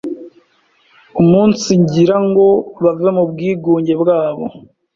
umunsigira ngo bave mu bwigunge bwabo